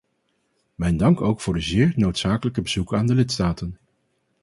Mijn dank ook voor de zeer noodzakelijke bezoeken aan de lidstaten.